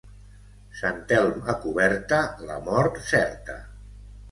Sant Elm a coberta, la mort certa.